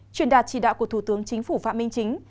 truyền đạt chỉ đạo của thủ tướng chính phủ phạm minh chính